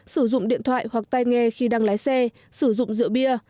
sử dụng điện thoại hoặc tay nghe khi đang lái xe sử dụng rượu bia